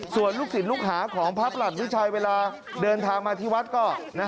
ส่วนลูกศิษย์ลูกหาของพระประหลัดวิชัยเวลาเดินทางมาที่วัดก็